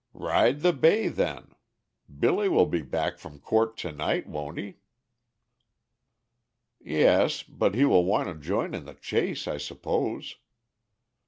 "Ride the bay then. Billy will be back from court to night, won't he?" "Yes; but he will want to join in the chase, I suppose."